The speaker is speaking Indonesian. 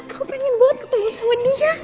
aku pengen banget kepahi sama dia